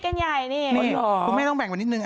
คุณแม่ต้องแต่งเป็นนิดหนึ่ง